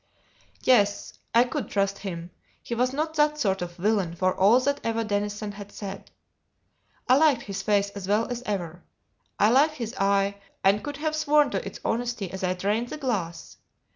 Yes, I could trust him; he was not that sort of villain, for all that Eva Denison had said. I liked his face as well as ever. I liked his eye, and could have sworn to its honesty as I drained the glass.